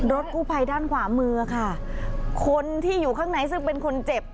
รถกู้ภัยด้านขวามือค่ะคนที่อยู่ข้างในซึ่งเป็นคนเจ็บ